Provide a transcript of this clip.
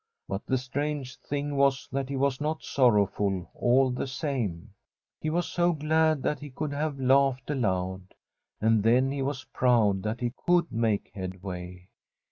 But the strange thing was that he was not sorrowful, all the same. He was so glad that he could have laughed aloud. And then he was proud that he could make headway.